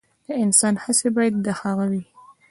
د انسان هڅې باید د هغه وي.